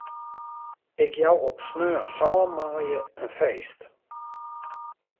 Ik jou op sneon sân maaie in feest.